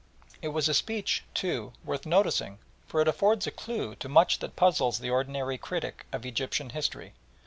It was a speech, too, worth noticing, for it affords a clue to much that puzzles the ordinary critic of Egyptian history.